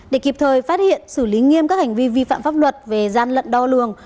để kịp thời phát hiện xử lý nghiêm các hành vi vi phạm pháp luật về gian lận đo lường